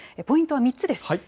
ポイントは３つです。